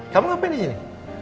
kamu ngapain disini